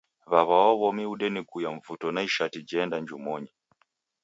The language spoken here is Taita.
W'aw'a wa w'omi odeniguiya mvuto na ishati jeenda njumonyi.